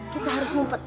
kita harus ngumpet